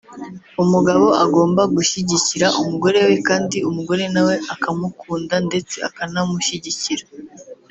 umugabo agomba gushyigikira umugore we kandi umugore nawe akamukunda ndetse akanamushyigikira